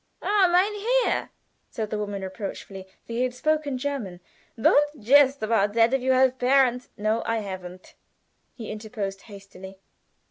"Ah, mein Herr," said the woman, reproachfully, for he had spoken German. "Don't jest about that. If you have parents " "No, I haven't," he interposed, hastily.